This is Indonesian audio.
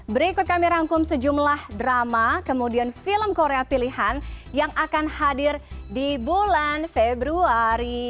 berikut kami rangkum sejumlah drama kemudian film korea pilihan yang akan hadir di bulan februari